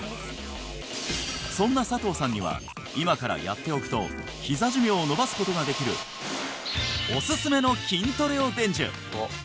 そんな佐藤さんには今からやっておくとひざ寿命を延ばすことができるおすすめの筋トレを伝授！